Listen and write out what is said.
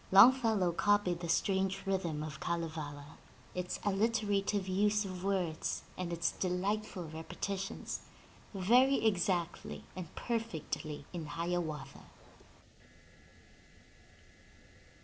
Longfellow copied the strange rhythm of Kalevala, its alliterative use of words and its delightful repeti tions, very exactly and perfectly in Hiawatha.